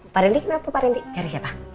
pak rendy kenapa pak rendy cari siapa